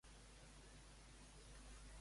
El Joel del futur, si parlés.